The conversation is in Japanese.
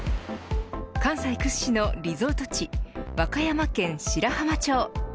関西屈指のリゾート地和歌山県白浜町。